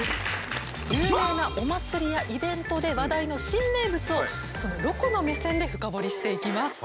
有名なお祭りやイベントで話題の新名物をロコの目線で深掘りしていきます。